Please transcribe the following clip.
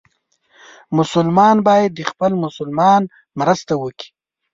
مسلمان باید د بل مسلمان مرسته وکړي.